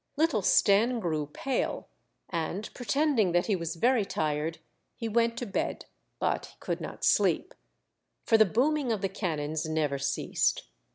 Little Stenne grew pale, and, pretend ing that he was very tired, he went to bed, but he could not sleep. For the booming of the cannons never ceased.